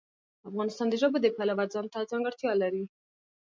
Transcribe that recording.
افغانستان د ژبو د پلوه ځانته ځانګړتیا لري.